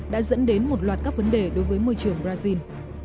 đã dẫn đến một loạt các vấn đề đối với môi trường brazil